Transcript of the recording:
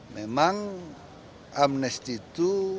memang amnesti itu